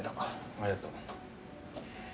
ありがとう。